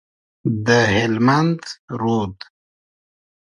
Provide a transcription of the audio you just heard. د هلمند رود،